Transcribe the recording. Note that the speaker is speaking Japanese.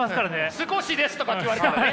「少しです」とかって言われたらね！